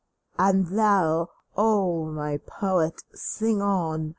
• And thou, O, my poet, sing on